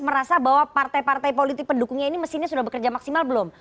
merasa bahwa partai partai politik pendukungnya ini mesinnya sudah bekerja maksimal belum